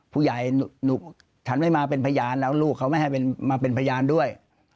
ผู้ใหญ่หนูฉันไม่มาเป็นพยานแล้วลูกเขาไม่ให้มาเป็นพยานด้วย